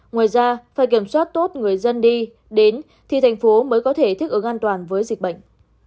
ngoài ra phải kiểm soát tốt người dân đi đến thì thành phố mới có thể thích ứng an toàn với dịch bệnh